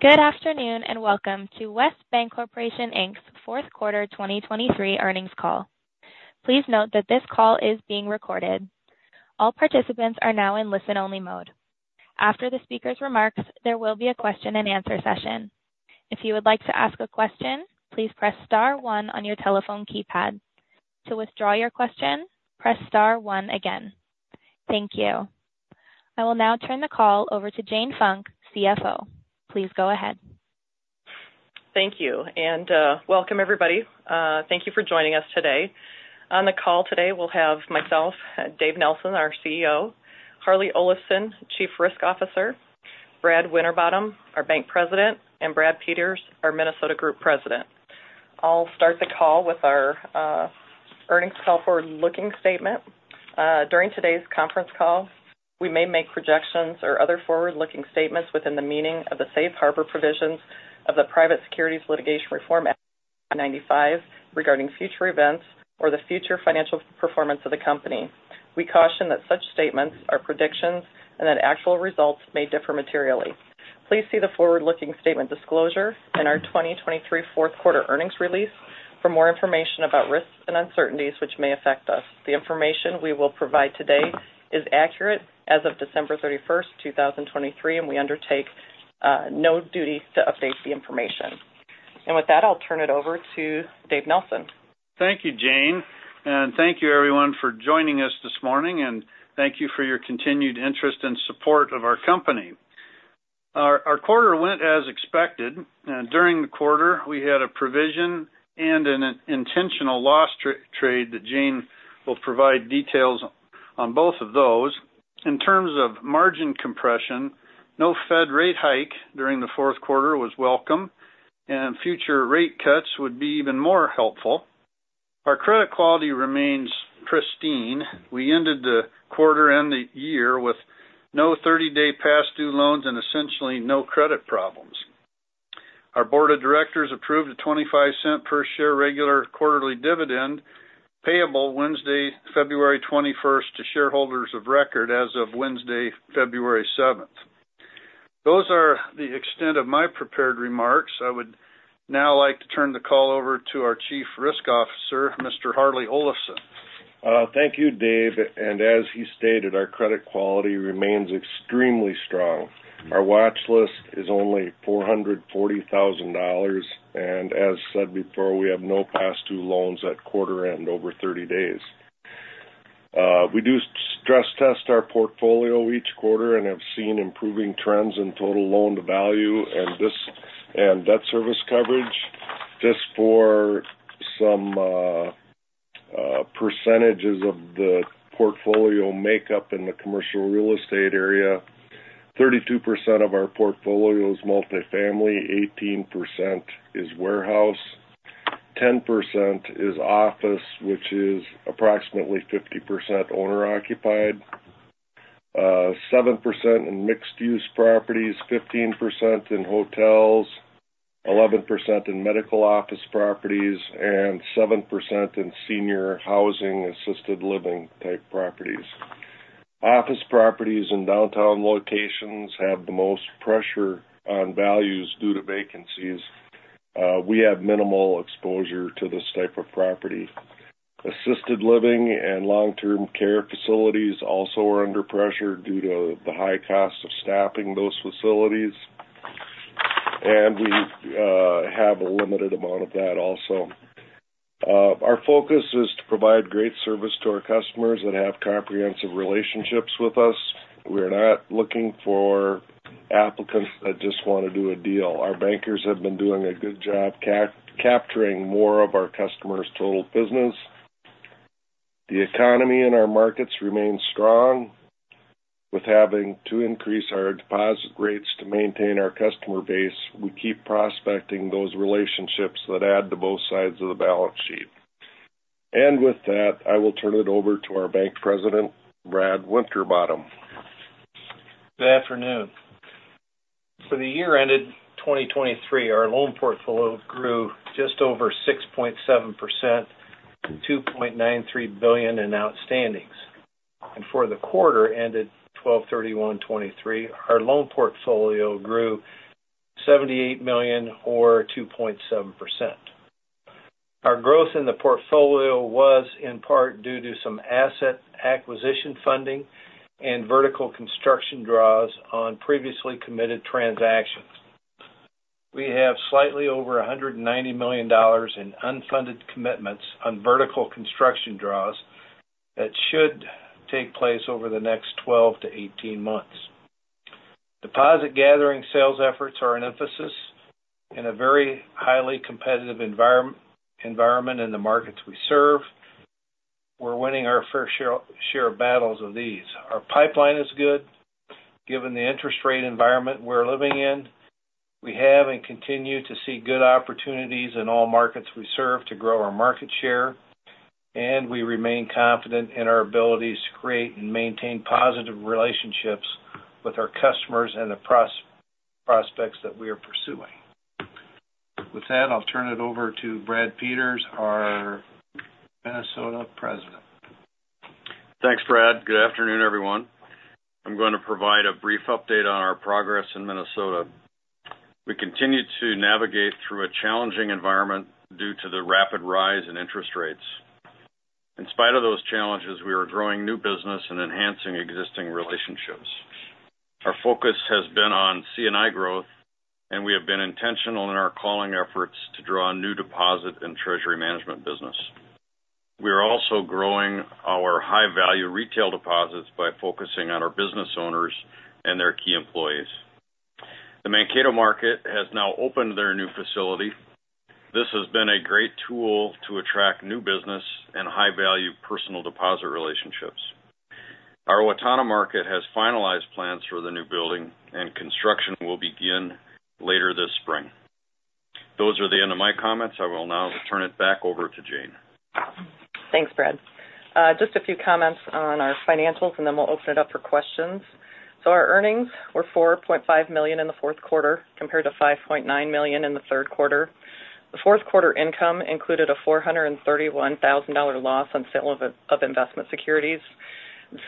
Good afternoon, and welcome to West Bancorporation, Inc.'s fourth quarter 2023 earnings call. Please note that this call is being recorded. All participants are now in listen-only mode. After the speaker's remarks, there will be a question-and-answer session. If you would like to ask a question, please press star one on your telephone keypad. To withdraw your question, press star one again. Thank you. I will now turn the call over to Jane Funk, CFO. Please go ahead. Thank you, and welcome, everybody. Thank you for joining us today. On the call today, we'll have myself, Dave Nelson, our CEO, Harlee Olafson, Chief Risk Officer, Brad Winterbottom, our Bank President, and Brad Peters, our Minnesota Group President. I'll start the call with our earnings call forward-looking statement. During today's conference call, we may make projections or other forward-looking statements within the meaning of the safe harbor provisions of the Private Securities Litigation Reform Act of 1995, regarding future events or the future financial performance of the company. We caution that such statements are predictions and that actual results may differ materially. Please see the forward-looking statement disclosure in our 2023 fourth quarter earnings release for more information about risks and uncertainties, which may affect us. The information we will provide today is accurate as of December 31, 2023, and we undertake no duty to update the information. With that, I'll turn it over to Dave Nelson. Thank you, Jane, and thank you, everyone, for joining us this morning, and thank you for your continued interest and support of our company. Our quarter went as expected, and during the quarter, we had a provision and an intentional loss trade that Jane will provide details on both of those. In terms of margin compression, no Fed rate hike during the fourth quarter was welcome, and future rate cuts would be even more helpful. Our credit quality remains pristine. We ended the quarter and the year with no 30-day past due loans and essentially no credit problems. Our board of directors approved a $0.25 per share regular quarterly dividend, payable Wednesday, February 21, to shareholders of record as of Wednesday, February 7. Those are the extent of my prepared remarks. I would now like to turn the call over to our Chief Risk Officer, Mr. Harlee Olafson. Thank you, Dave. As he stated, our credit quality remains extremely strong. Our watch list is only $440,000, and as said before, we have no past due loans at quarter end over 30 days. We do stress test our portfolio each quarter and have seen improving trends in total loan-to-value and debt service coverage. Just for some percentages of the portfolio makeup in the commercial real estate area, 32% of our portfolio is multifamily, 18% is warehouse, 10% is office, which is approximately 50% owner-occupied, 7% in mixed-use properties, 15% in hotels, 11% in medical office properties, and 7% in senior housing, assisted living-type properties. Office properties in downtown locations have the most pressure on values due to vacancies. We have minimal exposure to this type of property. Assisted living and long-term care facilities also are under pressure due to the high cost of staffing those facilities, and we have a limited amount of that also. Our focus is to provide great service to our customers that have comprehensive relationships with us. We're not looking for applicants that just wanna do a deal. Our bankers have been doing a good job capturing more of our customers' total business. The economy in our markets remains strong, with having to increase our deposit rates to maintain our customer base. We keep prospecting those relationships that add to both sides of the balance sheet. With that, I will turn it over to our Bank President, Brad Winterbottom. Good afternoon. For the year ended 2023, our loan portfolio grew just over 6.7%, to $2.93 billion in outstandings. For the quarter ended 12/31/2023, our loan portfolio grew $78 million or 2.7%. Our growth in the portfolio was in part due to some asset acquisition funding and vertical construction draws on previously committed transactions. We have slightly over $190 million in unfunded commitments on vertical construction draws that should take place over the next 12-18 months. Deposit gathering sales efforts are an emphasis in a very highly competitive environment in the markets we serve. We're winning our fair share of battles of these. Our pipeline is good, given the interest rate environment we're living in. We have and continue to see good opportunities in all markets we serve to grow our market share, and we remain confident in our abilities to create and maintain positive relationships with our customers and the prospects that we are pursuing. With that, I'll turn it over to Brad Peters, our Minnesota President. Thanks, Brad. Good afternoon, everyone. I'm going to provide a brief update on our progress in Minnesota. We continue to navigate through a challenging environment due to the rapid rise in interest rates. In spite of those challenges, we are growing new business and enhancing existing relationships. Our focus has been on C&I growth, and we have been intentional in our calling efforts to draw new deposit and treasury management business. We are also growing our high-value retail deposits by focusing on our business owners and their key employees. The Mankato market has now opened their new facility. This has been a great tool to attract new business and high-value personal deposit relationships. Our Owatonna market has finalized plans for the new building, and construction will begin later this spring. Those are the end of my comments. I will now turn it back over to Jane. Thanks, Brad. Just a few comments on our financials, and then we'll open it up for questions. So our earnings were $4.5 million in the fourth quarter, compared to $5.9 million in the third quarter. The fourth quarter income included a $431,000 loss on sale of investment securities.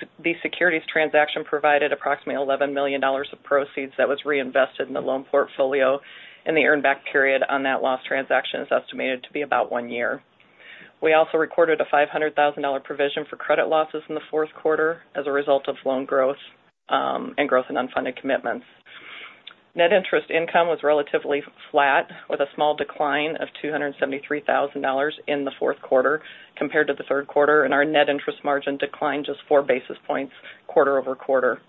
So these securities transaction provided approximately $11 million of proceeds that was reinvested in the loan portfolio, and the earn back period on that loss transaction is estimated to be about one year. We also recorded a $500,000 provision for credit losses in the fourth quarter as a result of loan growth and growth in unfunded commitments. Net interest income was relatively flat, with a small decline of $273,000 in the fourth quarter compared to the third quarter, and our net interest margin declined just 4 basis points quarter over quarter.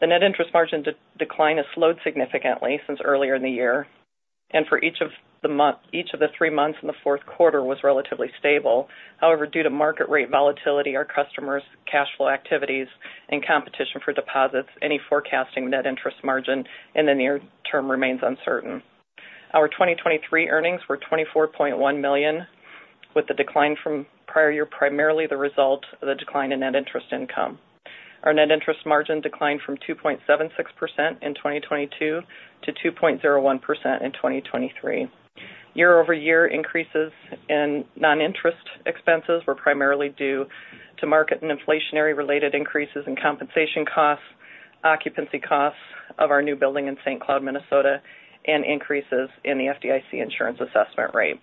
The net interest margin decline has slowed significantly since earlier in the year, and each of the three months in the fourth quarter was relatively stable. However, due to market rate volatility, our customers' cash flow activities, and competition for deposits, any forecasting net interest margin in the near term remains uncertain. Our 2023 earnings were $24.1 million, with the decline from prior year primarily the result of the decline in net interest income. Our net interest margin declined from 2.76% in 2022 to 2.01% in 2023. Year-over-year increases in non-interest expenses were primarily due to market and inflationary-related increases in compensation costs, occupancy costs of our new building in St. Cloud, Minnesota, and increases in the FDIC insurance assessment rate.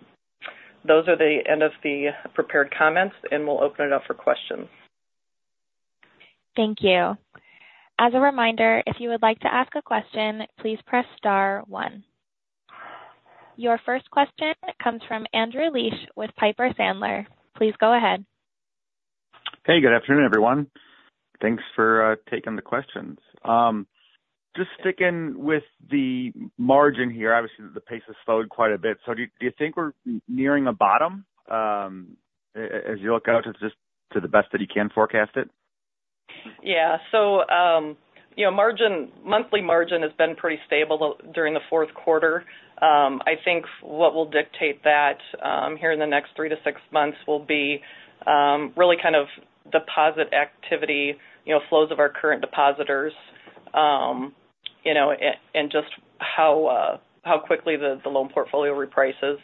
Those are the end of the prepared comments, and we'll open it up for questions. Thank you. As a reminder, if you would like to ask a question, please press star one. Your first question comes from Andrew Liesch with Piper Sandler. Please go ahead. Hey, good afternoon, everyone. Thanks for taking the questions. Just sticking with the margin here, obviously, the pace has slowed quite a bit. So do you think we're nearing a bottom, as you look out to just to the best that you can forecast it? Yeah. So, you know, margin, monthly margin has been pretty stable during the fourth quarter. I think what will dictate that here in the next three to six months will be really kind of deposit activity, you know, flows of our current depositors, and just how quickly the loan portfolio reprices,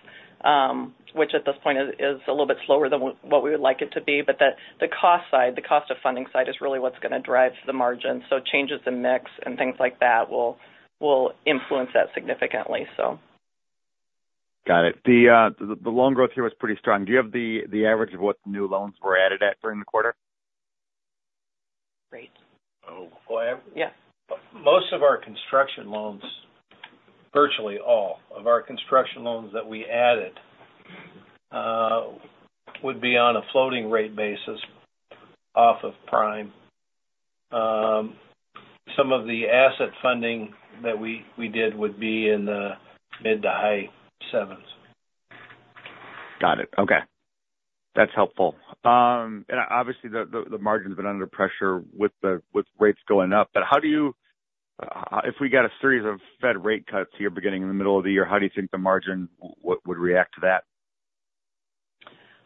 which at this point is a little bit slower than what we would like it to be. But the cost side, the cost of funding side, is really what's going to drive the margin. So changes in mix and things like that will influence that significantly, so. Got it. The loan growth here was pretty strong. Do you have the average of what the new loans were added at during the quarter? Great. Oh, well. Yeah. Most of our construction loans, virtually all of our construction loans that we added, would be on a floating rate basis off of prime. Some of the asset funding that we did would be in the mid to high sevens. Got it. Okay. That's helpful. And obviously, the margin's been under pressure with rates going up. But how do you... if we get a series of Fed rate cuts here, beginning in the middle of the year, how do you think the margin would react to that?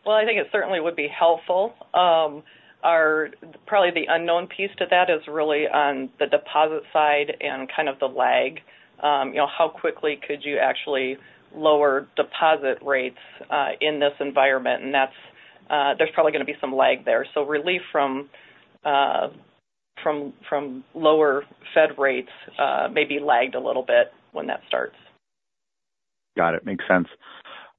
Well, I think it certainly would be helpful. Our probably the unknown piece to that is really on the deposit side and kind of the lag. You know, how quickly could you actually lower deposit rates in this environment? And that's, there's probably going to be some lag there. So relief from, from, from lower Fed rates may be lagged a little bit when that starts. Got it. Makes sense.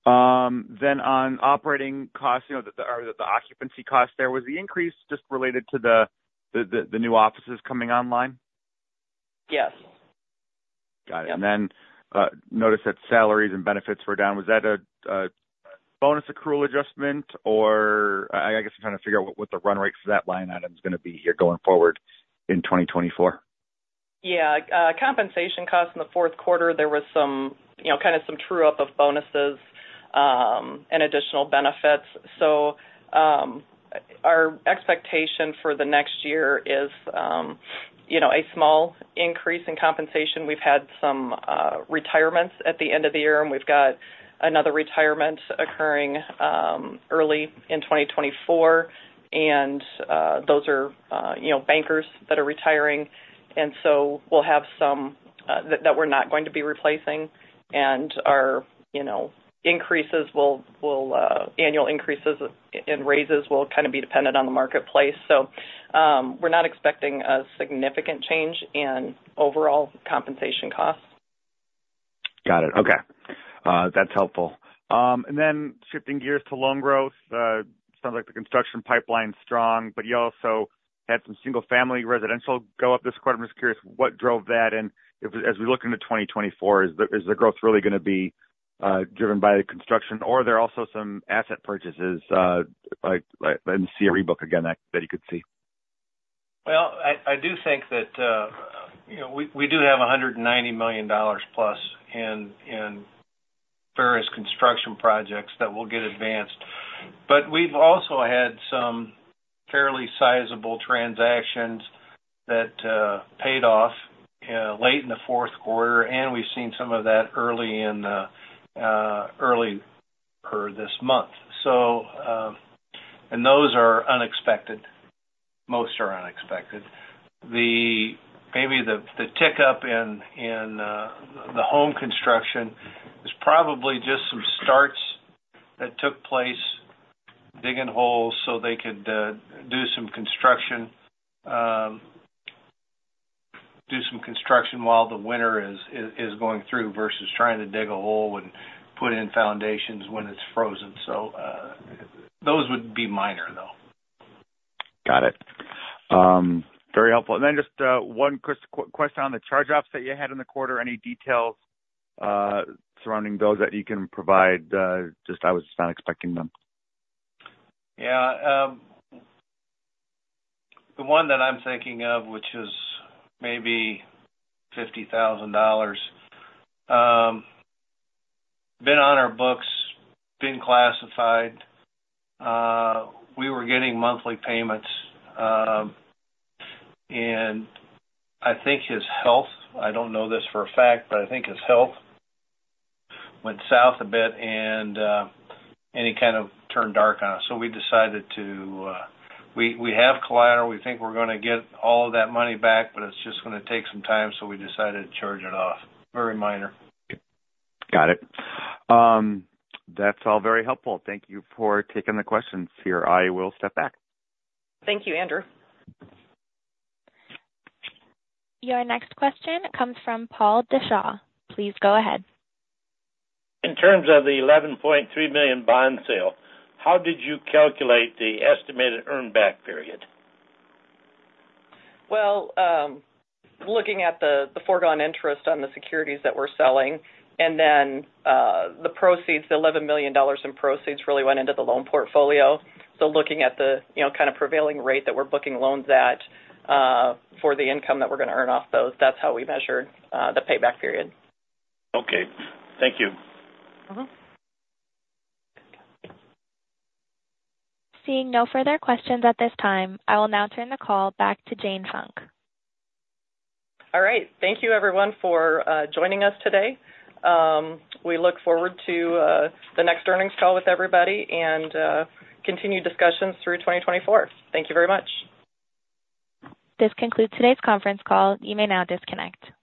Then on operating costs, you know, or the occupancy costs, was the increase just related to the new offices coming online? Yes. Got it. Yeah. And then noticed that salaries and benefits were down. Was that a bonus accrual adjustment, or... I guess I'm trying to figure out what the run rate for that line item is going to be here going forward in 2024. Yeah. Compensation costs in the fourth quarter, there was some, you know, kind of some true up of bonuses, and additional benefits. So, our expectation for the next year is, you know, a small increase in compensation. We've had some retirements at the end of the year, and we've got another retirement occurring early in 2024. And, those are, you know, bankers that are retiring, and so we'll have some that we're not going to be replacing. And our, you know, annual increases in raises will kind of be dependent on the marketplace. So, we're not expecting a significant change in overall compensation costs. Got it. Okay. That's helpful. And then shifting gears to loan growth. Sounds like the construction pipeline is strong, but you also had some single-family residential go up this quarter. I'm just curious what drove that, and if, as we look into 2024, is the growth really gonna be driven by the construction, or are there also some asset purchases, like, like, in the CRE book, again, that you could see? Well, I do think that, you know, we do have $190 million plus in various construction projects that will get advanced. But we've also had some fairly sizable transactions that paid off late in the fourth quarter, and we've seen some of that early in earlier this month. So those are unexpected. Most are unexpected. Maybe the tick-up in the home construction is probably just some starts that took place, digging holes so they could do some construction while the winter is going through, versus trying to dig a hole and put in foundations when it's frozen. So those would be minor, though. Got it. Very helpful. And then just, one quick question on the charge-offs that you had in the quarter. Any details, surrounding those that you can provide? Just, I was just not expecting them. Yeah, the one that I'm thinking of, which is maybe $50,000, been on our books, been classified. We were getting monthly payments, and I think his health, I don't know this for a fact, but I think his health went south a bit and he kind of turned dark on us. So we decided to... We have collateral. We think we're gonna get all of that money back, but it's just gonna take some time, so we decided to charge it off. Very minor. Got it. That's all very helpful. Thank you for taking the questions here. I will step back. Thank you, Andrew. Your next question comes from Paul DeShaw. Please go ahead. In terms of the $11.3 million bond sale, how did you calculate the estimated earn back period? Well, looking at the foregone interest on the securities that we're selling, and then, the proceeds, the $11 million in proceeds really went into the loan portfolio. So looking at the, you know, kind of prevailing rate that we're booking loans at, for the income that we're gonna earn off those, that's how we measured, the payback period. Okay. Thank you. Mm-hmm. Seeing no further questions at this time, I will now turn the call back to Jane Funk. All right. Thank you, everyone, for joining us today. We look forward to the next earnings call with everybody and continued discussions through 2024. Thank you very much. This concludes today's conference call. You may now disconnect.